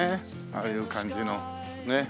ああいう感じのねっ。